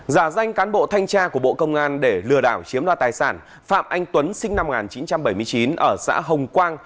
giả danh cán bộ thanh tra của bộ công an để lừa đảo chiếm đoạt tài sản phạm anh tuấn sinh năm một nghìn chín trăm bảy mươi chín ở xã hồng quang